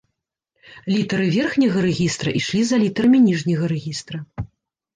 Літары верхняга рэгістра ішлі за літарамі ніжняга рэгістра.